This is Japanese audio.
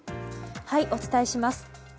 お伝えします。